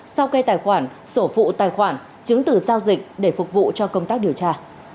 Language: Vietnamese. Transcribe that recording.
sau kê tài khoản sổ phụ tài khoản chứng từ giao dịch để phục vụ cho công tác điều tra